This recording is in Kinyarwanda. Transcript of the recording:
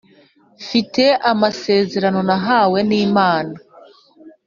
Mfite amasezerano nahawe nimana